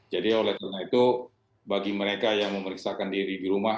jadi oleh karena itu bagi mereka yang memeriksakan diri di rumah